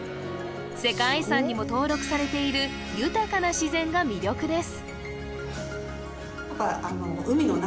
世界遺産にも登録されている豊かな自然が魅力です